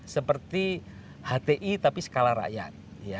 seperti hti tapi skala rakyat